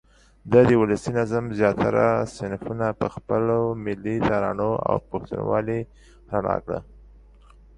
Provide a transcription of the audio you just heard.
ده د ولسي نظم زیاتره صنفونه په خپلو ملي ترانو او پښتونوالې راڼه کړه.